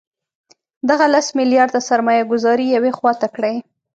دغه لس میلیارده سرمایه ګوزاري یوې خوا ته کړئ.